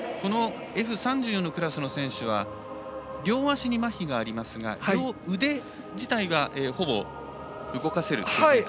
Ｆ３４のクラスの選手は両足にまひがありますが両腕自体はほぼ動かせるということですね。